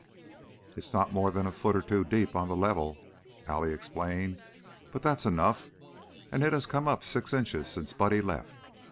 "It's not more than a foot or two deep on the level," Allie explained, "but that's enough. And it has come up six inches since Buddy left.